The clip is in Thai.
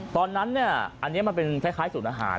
ตอนนั้นเนี่ยอันนี้มันเป็นคล้ายศูนย์อาหาร